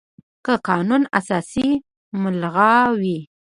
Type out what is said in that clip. که قانون اساسي ملغا وي،